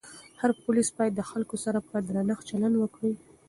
هر پولیس باید د خلکو سره په درنښت چلند وکړي.